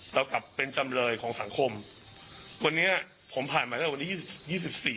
เรากลับเป็นจำเลยของสังคมวันนี้ผมผ่านมาแล้ววันนี้ยี่สิบสี่